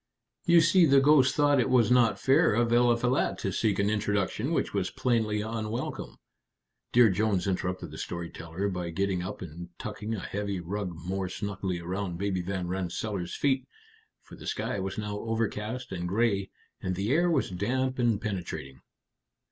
You see, the ghost thought it was not fair of Eliphalet to seek an introduction which was plainly unwelcome." Dear Jones interrupted the story teller by getting up and tucking a heavy rug more snugly around Baby Van Rensselaer's feet, for the sky was now overcast and gray, and the air was damp and penetrating.